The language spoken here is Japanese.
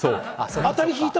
あたり引いた？